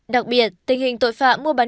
đặc biệt tình hình tội phạm mua bán